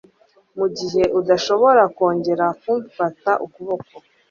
mugihe udashobora kongera kumfata ukuboko